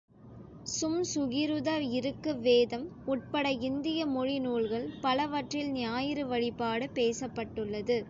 சம்சுகிருத இருக்கு வேதம் உட்பட இந்திய மொழி நூல்கள் பல வற்றில் ஞாயிறு வழிபாடு பேசப்பட்டுள்ளது.